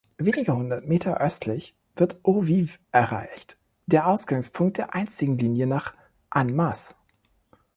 Wenige Hundert Meter östlich wird Eaux-Vives erreicht, der Ausgangspunkt der einstigen Linie nach Annemasse.